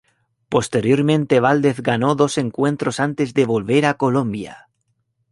Posteriormente Valdez ganó dos encuentros antes de volver a Colombia.